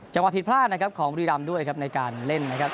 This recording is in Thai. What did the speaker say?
ผิดพลาดนะครับของบุรีรำด้วยครับในการเล่นนะครับ